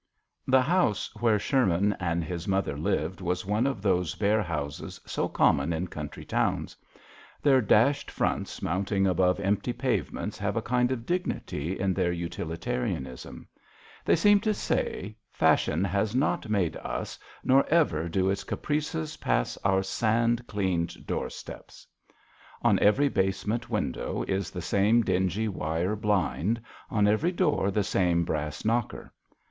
(HE house where Sher man and his mother lived was one of those bare houses so common in country towns. Their dashed fronts mounting above empty pavements have a kind of dignity in their utili tarianism. They seem to say, " Fashion has not made us, nor ever do its caprices pass our sand cleaned doorsteps." On every basement window is the same dingy wire blind ; on every door the same brass knocker.